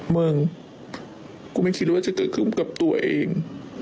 มึงกูไม่คิดเลยว่าจะเกิดขึ้นกับตัวเอง